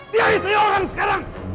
dia istri orang sekarang